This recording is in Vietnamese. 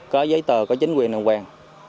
có giấy tờ có chính quyền đồng quan